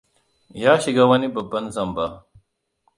Ya shiga wani babban zamba.